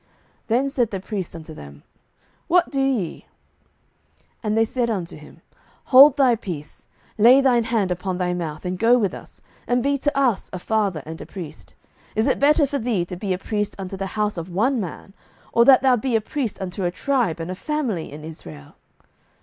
Then said the priest unto them, What do ye? 07:018:019 And they said unto him, Hold thy peace, lay thine hand upon thy mouth, and go with us, and be to us a father and a priest: is it better for thee to be a priest unto the house of one man, or that thou be a priest unto a tribe and a family in Israel?